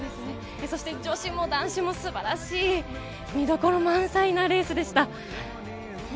女子も男子も素晴らしい、見どころ満載なレースでした。